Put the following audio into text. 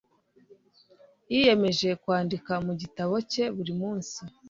yiyemeje kwandika mu gitabo cye buri munsi